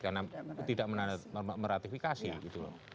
karena tidak meratifikasi gitu loh